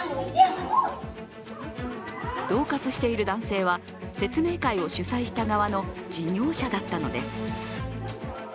どう喝している男性は、説明会を主催した側の事業者だったのです。